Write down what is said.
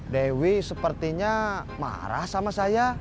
dewi sepertinya marah sama saya